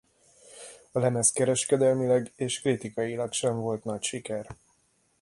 A lemez kereskedelmileg és kritikailag sem volt nagy siker.